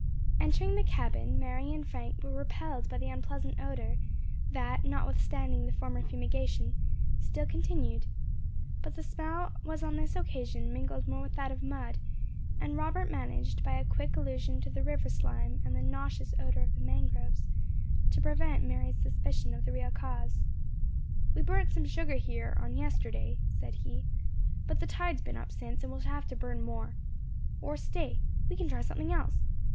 Entering the cabin, Mary and Frank were repelled by the unpleasant odour that, notwithstanding the former fumigation, still continued; but the smell was on this occasion mingled more with that of mud, and Robert managed by a quick allusion to the river slime, and the nauseous odour of the mangroves, to prevent Mary's suspicion of the real cause. "We burnt some sugar here, on yesterday," said he, "but the tide has been up since, and we shall have to burn more. Or stay we can try something else.